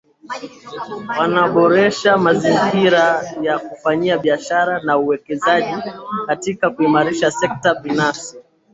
Wanaboresha mazingira ya ufanyaji biashara na uwekezaji katika kuimarisha sekta binafsi